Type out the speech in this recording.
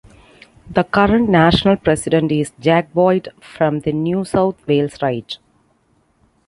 The current national president is Jack Boyd, from the New South Wales Right.